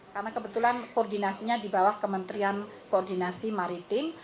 karena kebetulan koordinasinya di bawah kementerian koordinasi maritim